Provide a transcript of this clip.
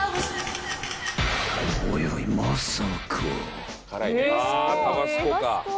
［おいおいまさか］